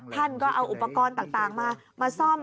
ท่านก็เอาอุปกรณ์ต่างมาซ่อม